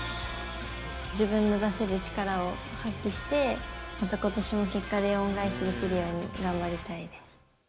自分の出せる力を発揮して、またことしも結果で恩返しできるように頑張りたいです。